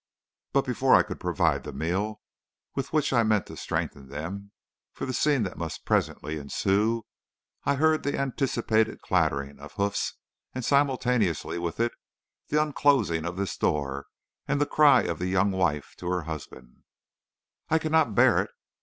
"But before I could provide the meal with which I meant to strengthen them for the scene that must presently ensue, I heard the anticipated clattering of hoofs, and simultaneously with it, the unclosing of this door and the cry of the young wife to her husband: "'I cannot bear it.